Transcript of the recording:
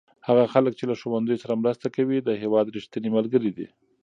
هغه خلک چې له ښوونځیو سره مرسته کوي د هېواد رښتیني ملګري دي.